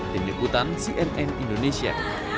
dinyekutan cnn indonesia